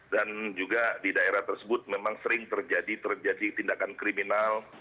dan juga di daerah tersebut memang sering terjadi tindakan kriminal